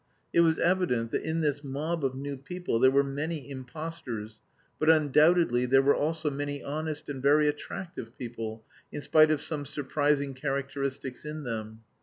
It was evident that in this mob of new people there were many impostors, but undoubtedly there were also many honest and very attractive people, in spite of some surprising characteristics in them.